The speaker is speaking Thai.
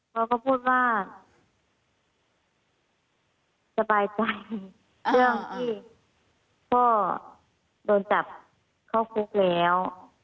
เขาก็พูดว่าสบายใจเรื่องที่พ่อโดนจับเข้าคุกแล้ว